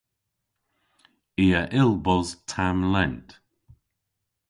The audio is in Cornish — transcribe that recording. I a yll bos tamm lent.